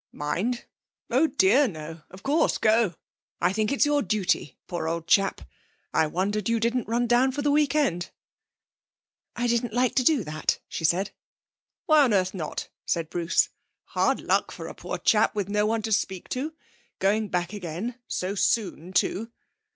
'Mind! Oh dear, no! Of course, go. I think it's your duty, poor old chap. I wondered you didn't run down for the weekend.' 'I didn't like to do that,' she said. 'Why on earth not?' said Bruce. 'Hard luck for a poor chap with no one to speak to. Going back again; so soon too.'